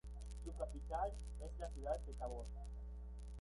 Su capital es la ciudad de Tábor.